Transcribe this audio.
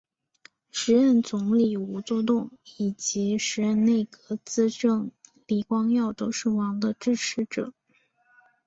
时任总理吴作栋以及时任内阁资政李光耀都是王的支持者。